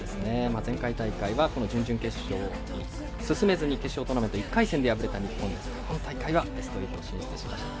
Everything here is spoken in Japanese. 前回大会は準々決勝に進めずに決勝トーナメント１回戦で敗れた日本ですが今大会はベスト８進出しました。